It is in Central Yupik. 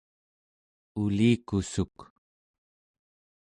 ulikussuk